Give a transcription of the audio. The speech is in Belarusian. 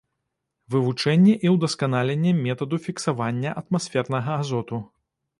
Вывучэнне і ўдасканаленне метаду фіксавання атмасфернага азоту.